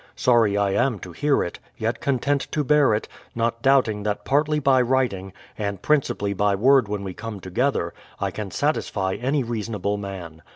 Sorry I am to hear it, yet content to bear it, not doubting that partly by writing, and principally by word when we come together, I can satisfy any reasonable man.